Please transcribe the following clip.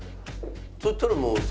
そしたらもう。